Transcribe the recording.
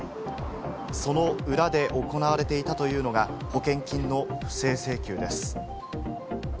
その裏で行われていたというのが、保険金の不正請求です。